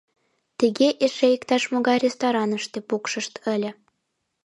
Тыге эше иктаж-могай рестораныште пукшышт ыле!